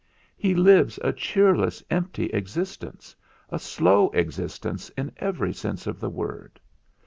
He lives a cheerless, empty existence a slow existence in every sense of the word.